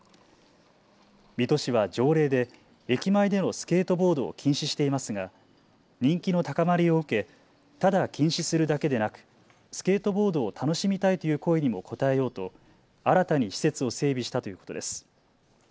水戸市は条例で駅前でのスケートボードを禁止していますが人気の高まりを受けただ禁止するだけでなくスケートボードを楽しみたいという声にも応えようと新たに施設を整備したということです。